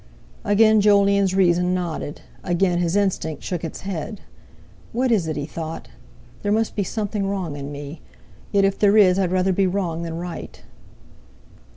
Again Jolyon's reason nodded; again his instinct shook its head. "What is it?" he thought; "there must be something wrong in me. Yet if there is, I'd rather be wrong than right."